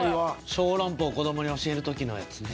小籠包子供に教える時のやつね。